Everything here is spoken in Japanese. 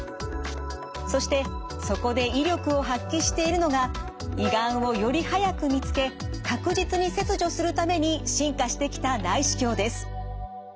そしてそこで威力を発揮しているのが胃がんをより早く見つけ確実に切除するために進化してきた内視鏡です。